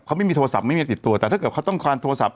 เขาไม่มีโทรศัพท์ไม่มีติดตัวแต่ถ้าเกิดเขาต้องการโทรศัพ